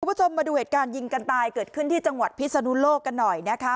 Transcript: คุณผู้ชมมาดูเหตุการณ์ยิงกันตายเกิดขึ้นที่จังหวัดพิศนุโลกกันหน่อยนะคะ